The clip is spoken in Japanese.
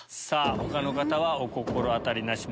他の方はお心当たりなし。